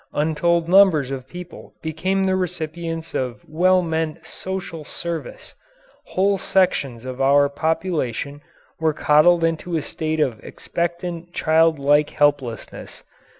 Untold numbers of people became the recipients of well meant "social service." Whole sections of our population were coddled into a state of expectant, child like helplessness.